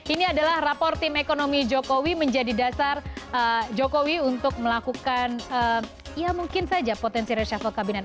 ini adalah rapor tim ekonomi jokowi menjadi dasar jokowi untuk melakukan ya mungkin saja potensi reshuffle kabinet